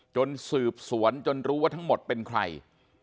จนสืบสวนจนรู้ว่าทั้งหมดเป็นใคร